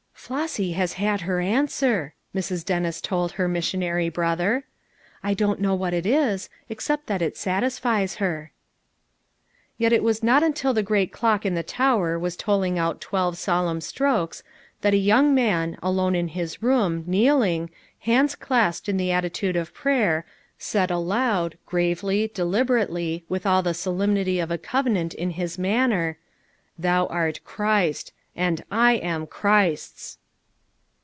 "Flossy has had her answer," Mrs. Dennis told her missionary brother. "I don't know what it is, except that it satisfies her." Yet it was not until the great clock on the tower was tolling out twelve solemn strokes that a young man, alone in his room, kneeling, hands clasped in the attitude of prayer said aloud, gravely, deliberately with all the sol emnity of a covenant in his manner: "Thou art Christ; and I am Glirist's."